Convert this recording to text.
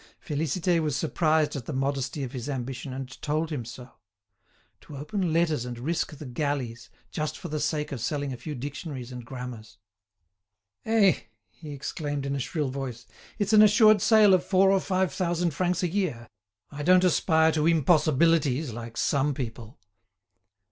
Félicité was surprised at the modesty of his ambition, and told him so. To open letters and risk the galleys just for the sake of selling a few dictionaries and grammars! "Eh!" he exclaimed in a shrill voice, "it's an assured sale of four or five thousand francs a year. I don't aspire to impossibilities like some people."